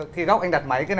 khi góc anh đặt máy